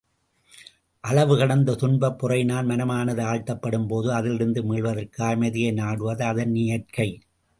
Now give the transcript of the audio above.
அளவு கடந்த துன்பப் பொறையினால் மனமானது ஆழ்த்தப்படும் போது, அதிலிருந்து மீள்வதற்காக அமைதியை நாடுவது அதனியற்கை.